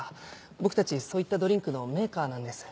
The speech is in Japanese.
僕たちそういったドリンクのメーカーなんです。